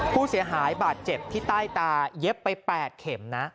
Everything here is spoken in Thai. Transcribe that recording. ผู้เสียหายบาดเจ็บที่ใต้ตาเย็บไป๘เข็มนะ